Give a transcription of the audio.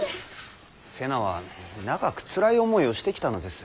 瀬名は長くつらい思いをしてきたのです。